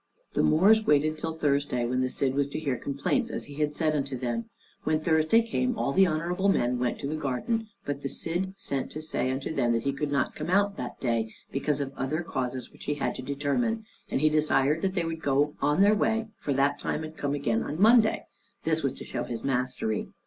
The Moors waited till Thursday, when the Cid was to hear complaints, as he had said unto them. When Thursday came all the honorable men went to the garden, but the Cid sent to say unto them that he could not come out that day, because of other causes which he had to determine; and he desired that they would go their way for that time, and come again on the Monday: this was to show his mastery.